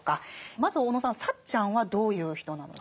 まず小野さんサッチャンはどういう人なのでしょう？